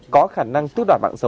có khả năng tước đoạt mạng